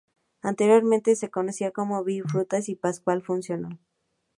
Anteriormente se conocía como "Bio Frutas" y "Pascual Funciona".